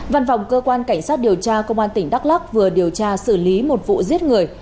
văn phòng cơ quan cảnh sát điều tra công an tỉnh đắk lắc vừa điều tra xử lý một vụ giết người